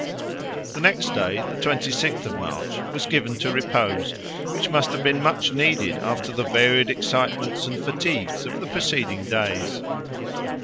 The next day, the twenty sixth of March, was given to repose, which must have been much needed after the varied excitements and fatigues of the preceding days.